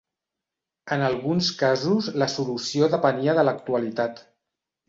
En alguns casos la solució depenia de l'actualitat.